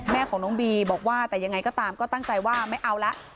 แม่ของน้องบีบอกว่าแต่ยังไงก็ตามก็ตั้งใจว่าไม่เอาละ